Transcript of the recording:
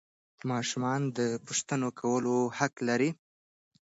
ماشومان د پوښتنو کولو حق لري